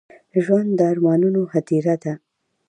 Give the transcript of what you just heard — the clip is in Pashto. ژوند د ارمانونو هديره ده.